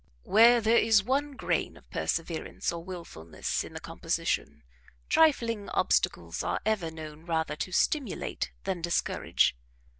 Where there is one grain of perseverance or wilfulness in the composition, trifling obstacles are ever known rather to stimulate than discourage.